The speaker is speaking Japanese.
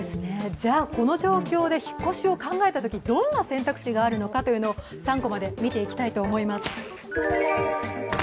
この状況で引っ越しを考えたとき、どんな選択肢があるかというのを３コマで見ていきたいと思います。